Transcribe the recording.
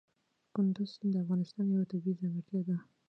کندز سیند د افغانستان یوه طبیعي ځانګړتیا ده.